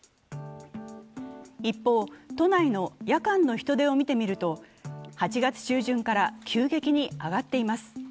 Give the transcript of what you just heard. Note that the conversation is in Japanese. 一方、都内の夜間の人出を見てみると８月中旬から急激に上がっています。